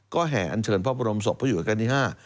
ก็แห่อันเชิญพระบรมศพพระอยู่ประการที่๕